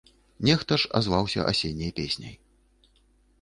Нехта ж азваўся асенняй песняй.